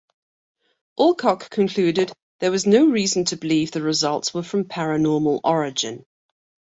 Alcock concluded there was no reason to believe the results were from paranormal origin.